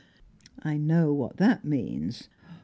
"I know what that means."